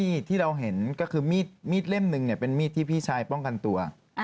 ที่เราเห็นก็คือมีดเล่มหนึ่งเนี่ยเป็นมีดที่พี่ชายป้องกันตัว